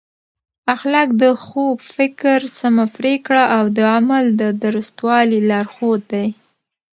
اخلاق د ښو فکر، سمه پرېکړه او د عمل د درستوالي لارښود دی.